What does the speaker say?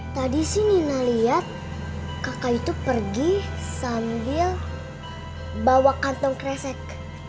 tadi sih nina lihat kakak itu pergi sambil bawa kantong kresek